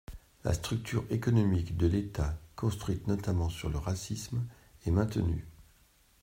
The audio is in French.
La structure économique de l’État, construite notamment sur le racisme, est maintenue.